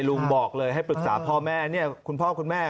ลุงบอกเลยให้ปรึกษาพ่อแม่คุณพ่อคุณแม่